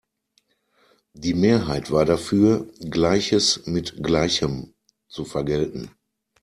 Die Mehrheit war dafür, Gleiches mit Gleichem zu vergelten.